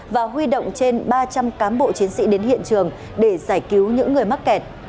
và huy động trên ba trăm linh cán bộ chiến sĩ đến hiện trường để giải cứu những người mắc kẹt